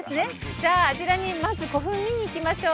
じゃああちらにまず古墳見に行きましょう！